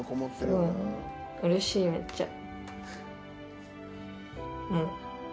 うれしいめっちゃ。